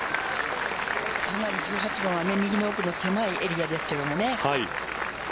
１８番は右の奥の狭いエリアですけどね。